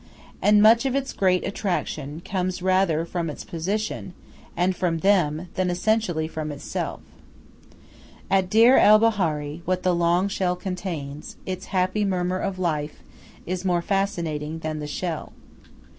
And much of its great attraction comes rather from its position, and from them, than essentially from itself. At Deir el Bahari, what the long shell contains its happy murmur of life is more fascinating than the shell.